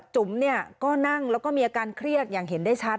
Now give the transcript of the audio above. จุ๋มเนี่ยก็นั่งแล้วก็มีอาการเครียดอย่างเห็นได้ชัด